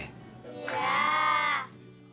ya bagus aan old